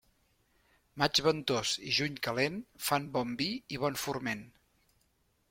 Maig ventós i juny calent, fan bon vi i bon forment.